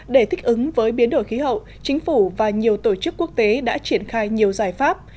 để thích ứng với biến đổi khí hậu chính phủ và nhiều tổ chức quốc tế đã triển khai nhiều giải pháp